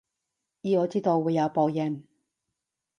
而我知道會有報應